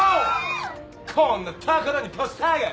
こんなところにポスターが！